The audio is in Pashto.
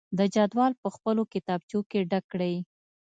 د جدول په خپلو کتابچو کې ډک کړئ.